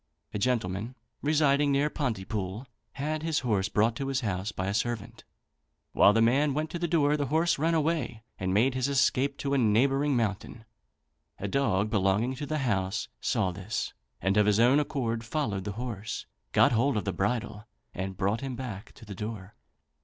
A gentleman, residing near Pontypool, had his horse brought to his house by a servant. While the man went to the door, the horse ran away and made his escape to a neighbouring mountain. A dog belonging to the house saw this, and of his own accord followed the horse, got hold of the bridle and brought him back to the door.